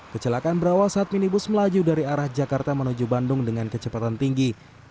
kecelakaan berawal saat minibus melaju dari arah jakarta menuju bandung dengan kecepatan tinggi